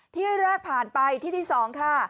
ที่แรกผ่านไปที่ที่๒ค่ะ